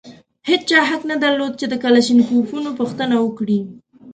هېچا حق نه درلود چې د کلاشینکوفونو پوښتنه وکړي.